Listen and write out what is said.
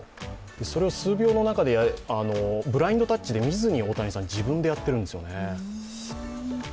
それを数秒の中でブラインドタッチで見ずに大谷さん、自分でやってるんですよね。